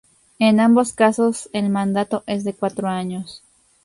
En ambos casos, el mandato es de cuatro años.